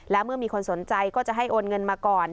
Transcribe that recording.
และเมื่อมีคนสนใจก็จะให้โอนเงินมาก่อน